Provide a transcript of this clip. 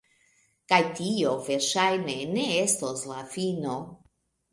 Kaj tio, verŝajne, ne estos la fino.